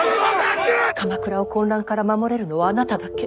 鎌倉を混乱から守れるのはあなただけ。